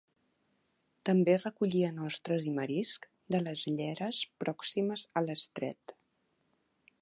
També recollien ostres i marisc de les lleres pròximes a l'estret.